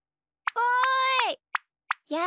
おい！